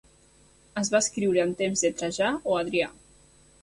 Es va escriure en temps de Trajà o Adrià.